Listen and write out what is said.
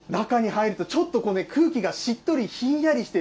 中に入ると、ちょっとこうね、空気がしっとりひんやりしている。